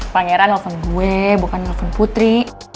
pangeran telpon gue bukan telpon putri